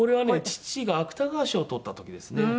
父が芥川賞をとった時ですね。